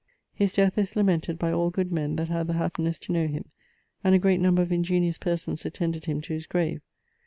His death is lamented by all good men that had the happinesse to knowe him; and a great number of ingeniose persons attended him to his grave.